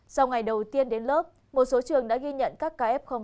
sau ngày đầu tiên đến lớp một số trường đã ghi nhận các ca ép không